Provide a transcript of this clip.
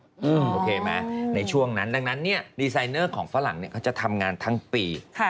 โอเคไหมในช่วงนั้นดังนั้นเนี่ยดีไซเนอร์ของฝรั่งเขาจะทำงานทั้งปี